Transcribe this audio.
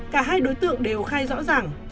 cả hai đối tượng đều khai rõ ràng